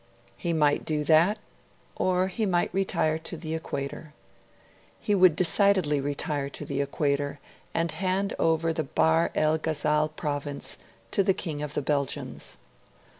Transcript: He might do that; or he might retire to the Equator. He would decidedly retire to the Equator, and hand over the Bahr el Ghazal province to the King of the Belgians.